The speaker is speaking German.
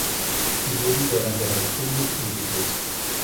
Sie wurden während der Heftung mit umwickelt.